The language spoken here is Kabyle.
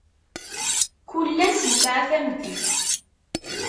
Kul ass isɛa tameddit.